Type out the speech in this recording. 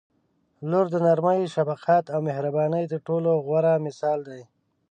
• لور د نرمۍ، شفقت او مهربانۍ تر ټولو غوره مثال دی.